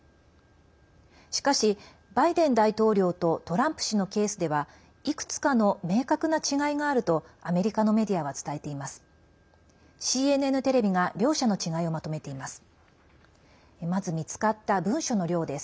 しかし、バイデン大統領とトランプ氏のケースではいくつかの明確な違いがあるとアメリカのメディアは伝えています。